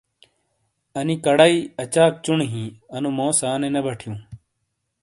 انی کَڑائی اَچاک چُونی ہیئی انو موس آنے نے بہ ٹھِیوں ۔